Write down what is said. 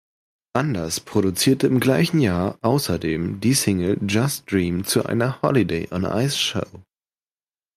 Anders produzierte im gleichen Jahr außerdem die Single "Just Dream" zu einer Holiday-on-Ice-Show.